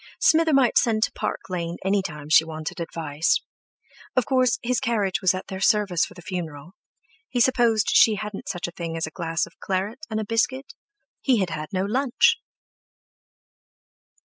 Smither might send to Park Lane any time she wanted advice. Of course, his carriage was at their service for the funeral. He supposed she hadn't such a thing as a glass of claret and a biscuit—he had had no lunch!